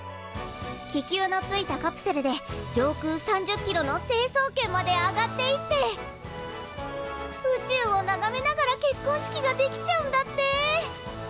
気球のついたカプセルで上空３０キロの成層圏まで上がっていって宇宙をながめながら結婚式ができちゃうんだって！